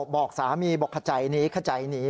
บอกสามีบอกขจัยหนี